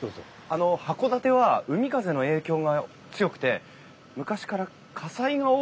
あの函館は海風の影響が強くて昔から火災が多かったから。